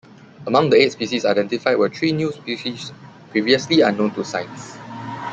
Among the eight species identified were three new species previously unknown to science.